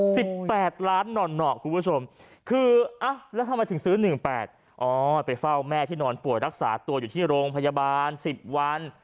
แปดล้านหน่อหน่อคุณผู้ชมคืออ่ะแล้วทำไมถึงซื้อหนึ่งแปดอ๋อไปเฝ้าแม่ที่นอนป่วยรักษาตัวอยู่ที่โรงพยาบาลสิบวัน